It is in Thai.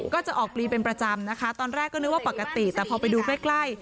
ก็จะออกปลีเป็นประจำนะคะตอนแรกก็นึกว่าปกติแต่พอไปดูใกล้ใกล้